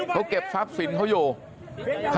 เขาเก็บทรัพย์สินเขาอยู่